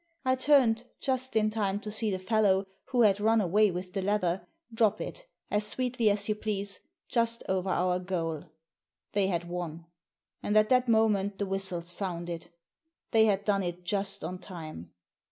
I turned, just in time to see the fellow, who had run away with the leather, drop it, as sweetly as you please, just over our goal. They had won! And at that moment the whistle sounded — they had done it just on time